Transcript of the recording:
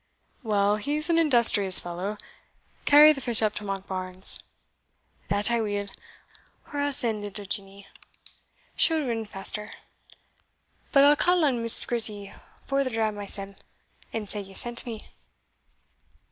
"Well, he's an industrious fellow. Carry the fish up to Monkbarns." "That I will or I'll send little Jenny, she'll rin faster; but I'll ca' on Miss Grizzy for the dram mysell, and say ye sent me."